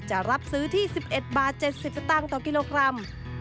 จะรับซื้อที่๑๑บาท๗๐สตางค์ต่อกิโลกรัม